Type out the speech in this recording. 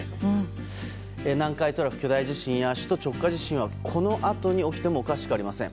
南海トラフ巨大地震や首都直下地震はこのあとに起きてもおかしくありません。